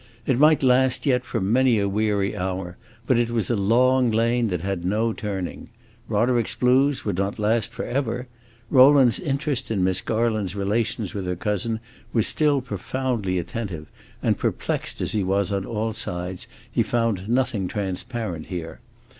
It might last yet for many a weary hour; but it was a long lane that had no turning. Roderick's blues would not last forever. Rowland's interest in Miss Garland's relations with her cousin was still profoundly attentive, and perplexed as he was on all sides, he found nothing transparent here.